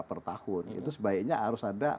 per tahun itu sebaiknya harus ada